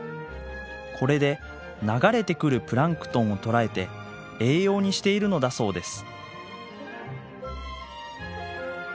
これで流れてくるプランクトンを捕らえて栄養にしているのだそうです。